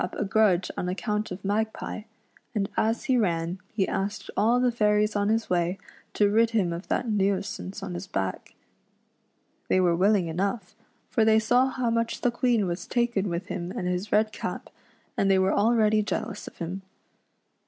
97 R ';.\ip a grudge on account of Magpie, and as he ran he asked all the fairies on his way to rid him of that nuisance on his back. They were willing enough, for thev saw how much the Queen was taken with him and his red cap, and they were already jealous of him.